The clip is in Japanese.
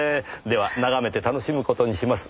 では眺めて楽しむ事にします。